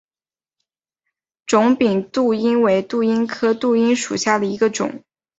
肿柄杜英为杜英科杜英属下的一个种。